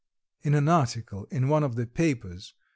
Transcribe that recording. In an article in one of the papers, M.